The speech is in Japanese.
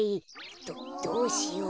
どどうしよう？